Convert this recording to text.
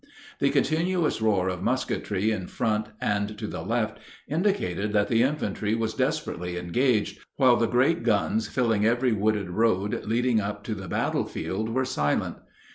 The continuous roar of musketry in front and to the left indicated that the infantry was desperately engaged, while the great guns filling every wooded road leading up to the battle field were silent.